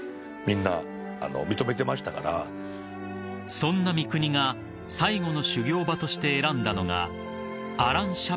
［そんな三國が最後の修業場として選んだのが］